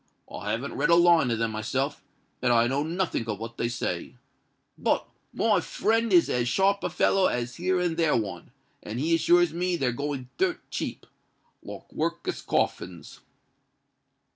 I haven't read a line of them myself; and I know nothink of what they say;—but my friend is as sharp a feller as here and there one; and he assures me they're going dirt cheap—like workus coffins."